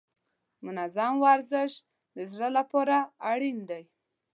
منظم ورزش د زړه لپاره اړین دی.